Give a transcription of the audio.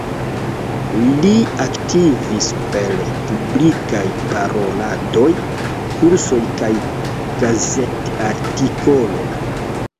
Li aktivis per publikaj paroladoj, kursoj kaj gazet-artikoloj.